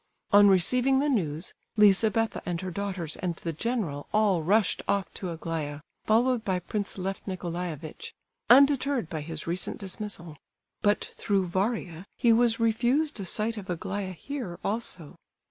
On receiving the news, Lizabetha and her daughters and the general all rushed off to Aglaya, followed by Prince Lef Nicolaievitch—undeterred by his recent dismissal; but through Varia he was refused a sight of Aglaya here also.